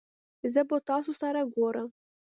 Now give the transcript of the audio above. زه به تاسو سره ګورم